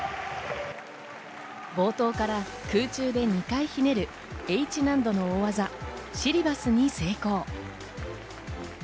冒頭から空中で２回ひねるＨ難度の大技、シリバスに成功。